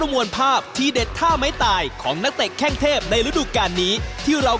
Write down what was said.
สวัสดีครับ